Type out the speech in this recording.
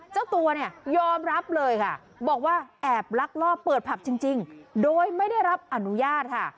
เจ้าตัวเนี่ยยอมรับเลยค่ะบอกว่าแอบลักลอบเปิดผับจริงโดยไม่ได้รับอนุญาตค่ะ